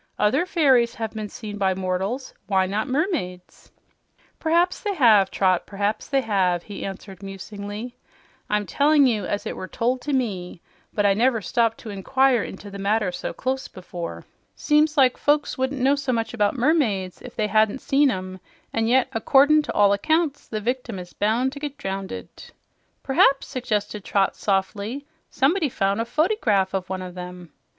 "Other fairies have been seen by mortals; why not mermaids?" "P'raps they have, Trot, p'raps they have," he answered musingly. "I'm tellin' you as it was told to me, but I never stopped to inquire into the matter so close before. Seems like folks wouldn't know so much about mermaids if they hadn't seen 'em; an' yet accordin' to all accounts the victim is bound to get drownded." "P'raps," suggested Trot softly, "someone found a fotygraph of one of 'em."